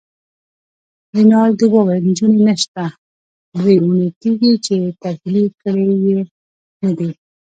رینالډي وویل: نجونې نشته، دوې اونۍ کیږي چي تبدیلي کړي يې نه دي.